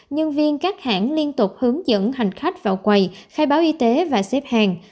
nhân viên các hãng liên tục hướng dẫn hành khách vào quầy khai báo y tế và xếp hàng